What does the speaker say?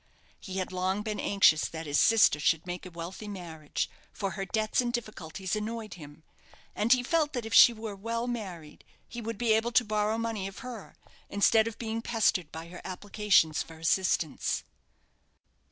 He had long been anxious that his sister should make a wealthy marriage, for her debts and difficulties annoyed him; and he felt that if she were well married, he would be able to borrow money of her, instead of being pestered by her applications for assistance.